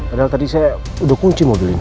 padahal tadi saya udah kunci mobil ini